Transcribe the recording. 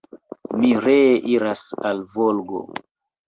Mi ree iras al Volgo.